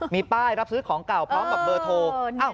มีป้ายรับซื้อของเก่าพร้อมกับเบอร์โทร